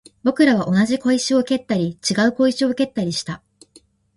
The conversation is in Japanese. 僕らは同じ小石を蹴ったり、違う小石を蹴ったりした